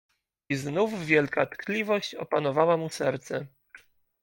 I znów wielka tkliwość opanowała mu serce.